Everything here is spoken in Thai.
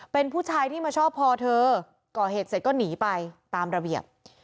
เป็นผู้ชายที่มาชอบพอเธอก่อเหตุเสร็จก็หนีไปตามระเบียบ